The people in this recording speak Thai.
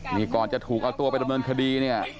นี่ก่อนจะถูกเอาตัวไปดำเนินคดีเนี่ย